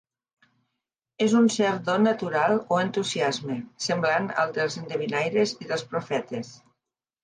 És un cert do natural o entusiasme, semblant al dels endevinaires i dels profetes.